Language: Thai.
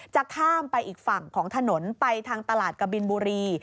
จะข้ามไปอีกฝั่งของถนนไปทางตลาดกบินบุรี